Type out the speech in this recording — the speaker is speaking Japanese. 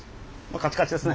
カチカチですね。